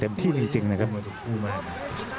ถ้าใครจำได้ค่อยบุญก็สะกดดีกว่า